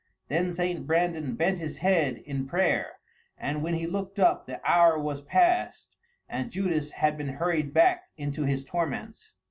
Then St. Brandan bent his head in prayer; and when he looked up, the hour was passed, and Judas had been hurried back into his torments.